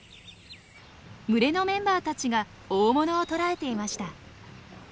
群れのメンバーたちが大物を捕らえていました。